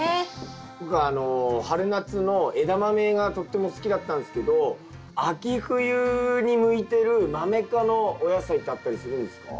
僕あの春夏のエダマメがとっても好きだったんすけど秋冬に向いてるマメ科のお野菜ってあったりするんですか？